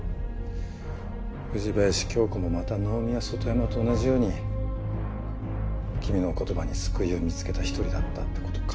藤林経子もまた能見や外山と同じように君の言葉に救いを見つけた一人だったって事か。